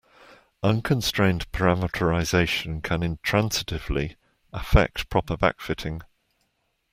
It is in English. Unconstrained parameterization can intransitively affect proper backfitting.